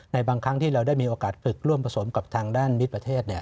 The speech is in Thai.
ในบางครั้งที่เราได้มีโอกาสฝึกร่วมผสมกับทางด้านมิตรประเทศ